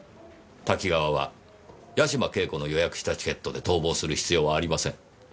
多岐川は八島景子の予約したチケットで逃亡する必要はありません。